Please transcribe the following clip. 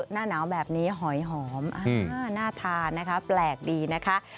หน้าหนาวแบบนี้หอยหอมน่าทานนะคะแปลกดีนะคะ